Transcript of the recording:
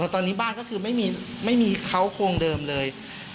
ตอนนี้บ้านก็คือไม่มีเขาโครงเดิมเลย